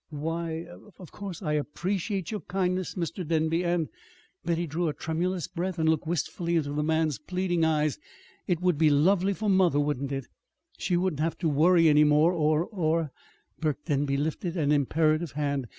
"Why, of course, I appreciate your kindness, Mr. Denby, and" Betty drew a tremulous breath and looked wistfully into the man's pleading eyes "it would be lovely for mother, wouldn't it? She wouldn't have to worry any more, or or " Burke Denby lifted an imperative hand.